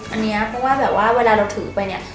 อันนี้เพราะว่าแบบว่าเวลาเราถือไปเนี่ย